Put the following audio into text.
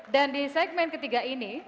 dan di segmen ketiga ini